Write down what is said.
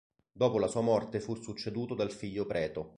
Dopo la sua morte fu succeduto dal figlio Preto.